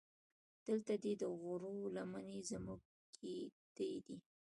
دلته دې د غرو لمنې زموږ کېږدۍ دي.